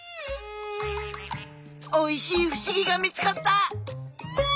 おいしいふしぎが見つかった！